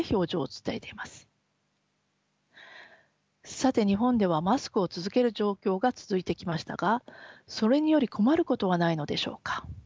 さて日本ではマスクを続ける状況が続いてきましたがそれにより困ることはないのでしょうか。